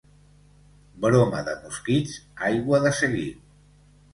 Broma de mosquits, aigua de seguit.